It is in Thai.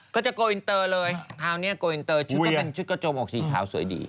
ก็จะโกวินเตอร์เลยชุดกะโจมอกสีขาวสวยดี